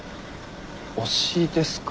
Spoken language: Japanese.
「推し」ですか？